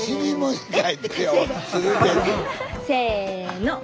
せの。